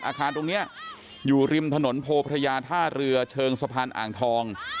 อาคารตรงนี้อยู่ริมถนนโพพระยาท่าเรือเชิงสะพานอ่างทอง